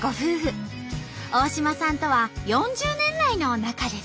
大島さんとは４０年来の仲です。